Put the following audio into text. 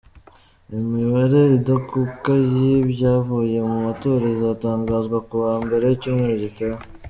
Imibare idakuka y’ibyavuye mu matora izatangazwa ku wa Mbere w’icyumweru gitaha.